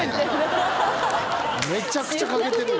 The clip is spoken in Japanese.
めちゃくちゃかけてる。